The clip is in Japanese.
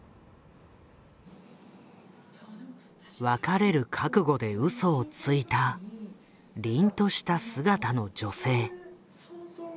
別れる覚悟でうそをついたりんとした姿の女性。